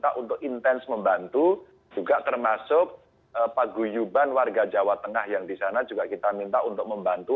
kita untuk intens membantu juga termasuk paguyuban warga jawa tengah yang di sana juga kita minta untuk membantu